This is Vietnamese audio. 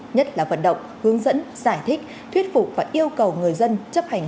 nhất là vận động hướng dẫn giải thích thuyết phục và yêu cầu người dân chấp hành